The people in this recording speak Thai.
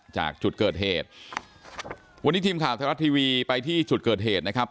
จากจุดเกิดเหตุวันนี้ทีมข่าวไทยรัฐทีวีไปที่จุดเกิดเหตุนะครับ